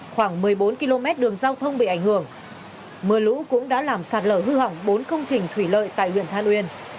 khoảng một mươi bốn km đường giao thông bị ảnh hưởng mưa lũ cũng đã làm sạt lở hư hỏng bốn công trình thủy lợi tại huyện than uyên